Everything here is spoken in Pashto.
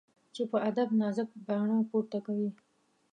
چي په ادب نازک باڼه پورته کوي